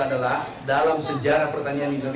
ini adalah keberhasilan pertanian pelayanan yang diperlukan